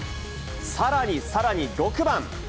さらにさらに６番。